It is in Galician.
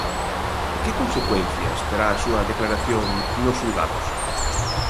Que consecuencias terá a súa declaración nos xulgados?